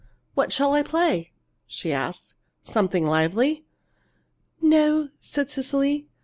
"What shall I play?" she asked. "Something lively?" "No," said Cecily.